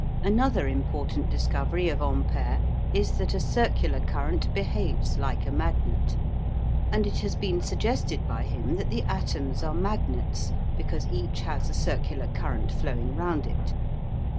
Another important discovery of Ampere is that a circular current behaves like a magnet; and it has been suggested by him that the atoms are magnets because each has a circular current flowing round it.